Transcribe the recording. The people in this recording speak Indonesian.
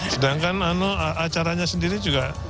sedangkan acaranya sendiri juga